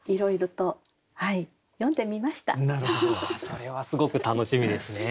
それはすごく楽しみですね。